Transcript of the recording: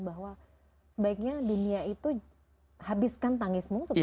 bahwa sebaiknya dunia itu habiskan tangismu